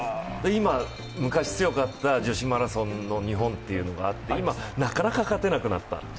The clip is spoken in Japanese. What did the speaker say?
昔強かった女子マラソンの日本というのがあって今、なかなか勝てなくなった。